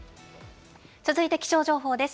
続いて、気象情報です。